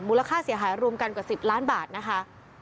ค่าเสียหายรวมกันกว่า๑๐ล้านบาทนะคะ